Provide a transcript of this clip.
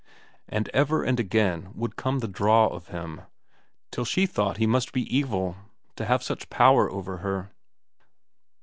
And ever and again would come the draw of him, till she thought he must be evil to have such power over her.